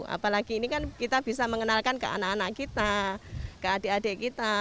apalagi ini kan kita bisa mengenalkan ke anak anak kita ke adik adik kita